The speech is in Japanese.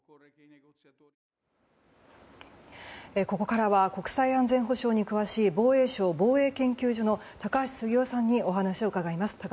ここからは国際安全保障に詳しい防衛省防衛研究所の高橋杉雄さんにお話を伺います。